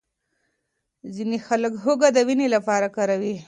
ځینې خلک هوږه د وینې لپاره کاروي.